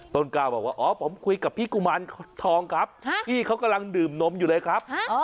ก้าวบอกว่าอ๋อผมคุยกับพี่กุมารทองครับพี่เขากำลังดื่มนมอยู่เลยครับ